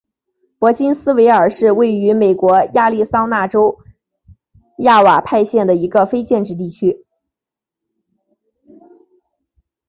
珀金斯维尔是位于美国亚利桑那州亚瓦派县的一个非建制地区。